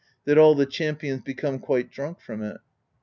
52 PROSE EDDA that all the champions become quite drunk from it."